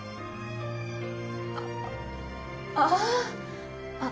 あっああ。